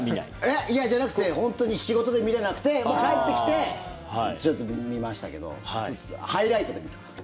いや、じゃなくて本当に仕事で見れなくて帰ってきてちょっと見ましたけどハイライトで見た。